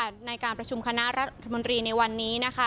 ในการประชุมคณะรัฐมนตรีในวันนี้นะคะ